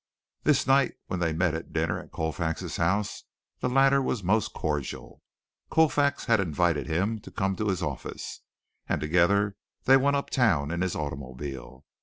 This night when they met at dinner at Colfax's house the latter was most cordial. Colfax had invited him to come to his office, and together they went uptown in his automobile.